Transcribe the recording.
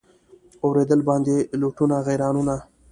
اورېدل باندي لوټونه غیرانونه